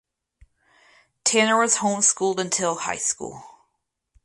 Tanner was homeschooled until high school.